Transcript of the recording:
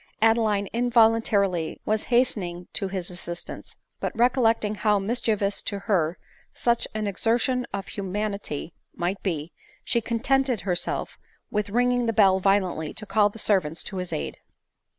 Adeline involuntarily was hastening to his assistance ; but recollecting 'how mischievous to her such an exertion of humanity might be, she contented herself with ringing the bell violendy to «all the servants to his aid.